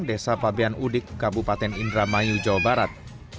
desa pabean udik kabupaten indramayu jawa barat